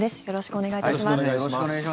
よろしくお願いします。